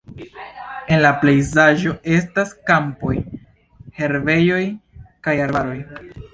En la pejzaĝo estas kampoj, herbejoj kaj arbaroj.